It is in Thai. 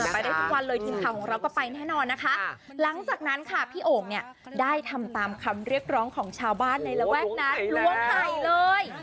ไปได้ทุกวันเลยทีมข่าวของเราก็ไปแน่นอนนะคะหลังจากนั้นค่ะพี่โอ่งเนี่ยได้ทำตามคำเรียกร้องของชาวบ้านในระแวกนั้นล้วงไห่เลย